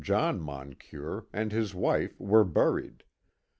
John Moncure, and his wife were buried.